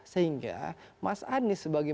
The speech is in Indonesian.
sehingga mas anies sebagai